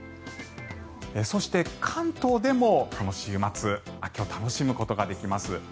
そして関東でも、この週末秋を楽しむことができます。